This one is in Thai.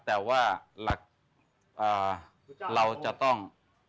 แต่ว่าเราจะต้อง